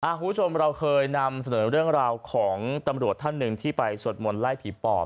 คุณผู้ชมเราเคยนำเสนอเรื่องราวของตำรวจท่านหนึ่งที่ไปสวดมนต์ไล่ผีปอบ